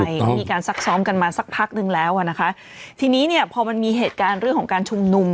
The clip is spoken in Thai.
ใช่มีการซักซ้อมกันมาสักพักหนึ่งแล้วอ่ะนะคะทีนี้เนี่ยพอมันมีเหตุการณ์เรื่องของการชุมนุม